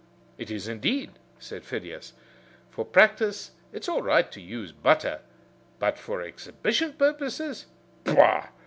"It is indeed," said Phidias. "For practice it's all right to use butter, but for exhibition purposes bah!"